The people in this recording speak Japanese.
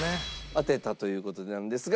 当てたという事なんですが。